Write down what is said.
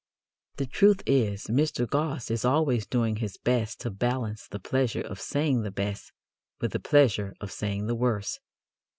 The truth is Mr. Gosse is always doing his best to balance the pleasure of saying the best with the pleasure of saying the worst.